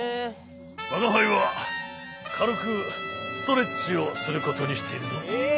わがはいはかるくストレッチをすることにしているぞ。え？